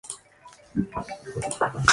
Es la fallecida hermana mayor de Jiang Cheng.